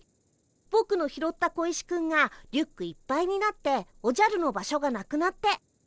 ぼくの拾った小石くんがリュックいっぱいになっておじゃるの場所がなくなって。